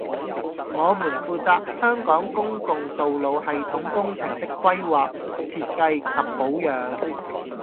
我們負責香港公共道路系統工程的規劃、設計及保養